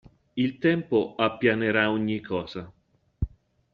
Il tempo appianerà ogni cosa.